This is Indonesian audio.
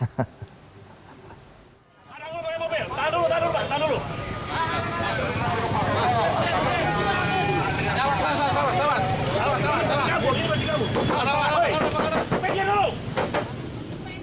salah salah salah